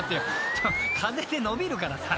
ちょっ風で伸びるからさ］